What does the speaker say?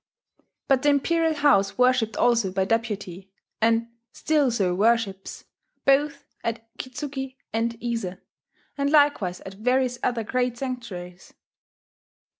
But the Imperial House worshipped also by deputy (and still so worships) both at Kitzuki and Ise, and likewise at various other great sanctuaries.